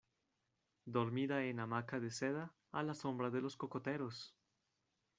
dormida en hamaca de seda, a la sombra de los cocoteros!